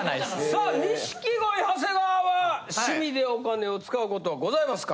さあ錦鯉長谷川は趣味でお金を使うことはございますか。